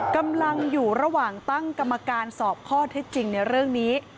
กำลังอยู่ระหว่างตั้งกรรมการสอบข้อเท็จจริงในเรื่องนี้